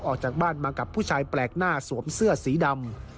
ออกจากบ้านมากับผู้ชายแปลกหน้าสวมเสื้อสีดำ